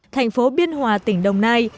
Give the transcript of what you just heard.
thành phố biên hòa tỉnh đồng nai